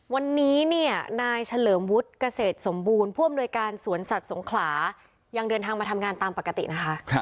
วันนี้เนี่ยนายเฉลิมวุฒิเกษตรสมบูรณ์ผู้อำนวยการสวนสัตว์สงขลายังเดินทางมาทำงานตามปกตินะคะ